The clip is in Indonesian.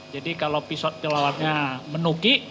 jadi kalau pilotnya menuki